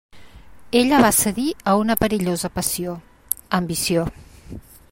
Ella va cedir a una perillosa passió, ambició.